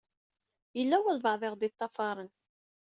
Yella walebɛaḍ i ɣ-d-iṭṭafaṛen.